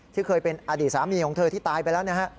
ที่เคยเป็นอดีตสามีของเธอที่ตายไปแล้วนะฮะ